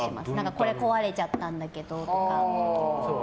これ壊れちゃったんだけどとか。